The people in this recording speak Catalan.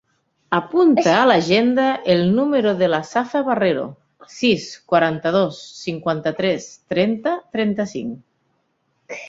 Apunta a l'agenda el número de la Safa Barrero: sis, quaranta-dos, cinquanta-tres, trenta, trenta-cinc.